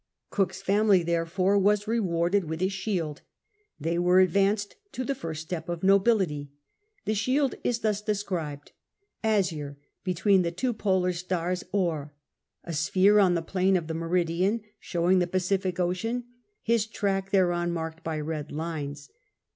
Cook's family, there fore, were rewarded with a shield : they were advanced to the first step of nobility. The shield is thus described. Azure, between the two polar stars Or, a sphere on the plane of the meridian, shewing the Pacific Ocean, his track thereon marked by red lines.